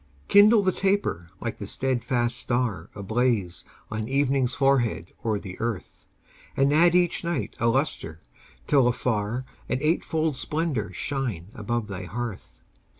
Kindle the taper like the steadfast star Ablaze on evening's forehead o'er the earth, And add each night a lustre till afar An eightfold splendor shine above thy hearth.